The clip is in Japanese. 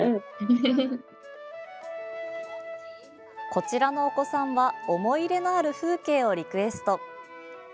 こちらのお子さんは思い入れのある風景をリクエスト。